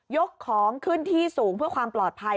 ของขึ้นที่สูงเพื่อความปลอดภัย